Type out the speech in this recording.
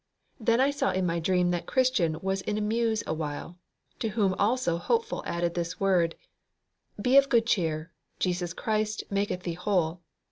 Then I saw in my dream that Christian was in a muse a while; to whom also Hopeful added this word, "Be of good cheer; Jesus Christ maketh thee whole."